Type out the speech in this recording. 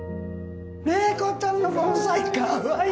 怜子ちゃんの盆栽かわいい！